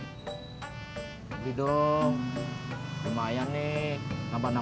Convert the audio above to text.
ini adapin sampe pengertian sebenernya